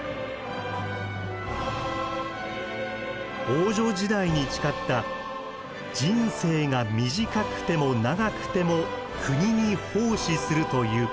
王女時代に誓った「人生が短くても長くても国に奉仕する」ということ。